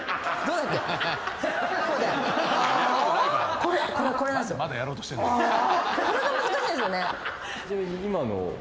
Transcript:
これが難しいんですよね。